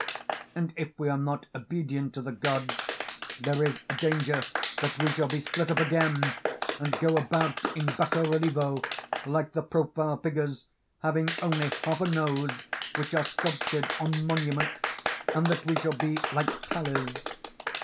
And if we are not obedient to the gods, there is a danger that we shall be split up again and go about in basso relievo, like the profile figures having only half a nose which are sculptured on monuments, and that we shall be like tallies.